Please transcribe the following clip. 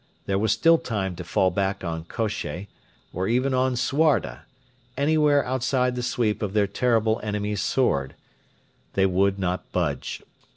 There was still time to fall back on Kosheh, or even on Suarda anywhere outside the sweep of their terrible enemy's sword. They would not budge.